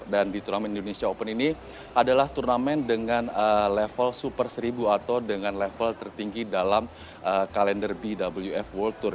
dan di turnamen indonesia open ini adalah turnamen dengan level super seribu atau dengan level tertinggi dalam kalender bwf world tour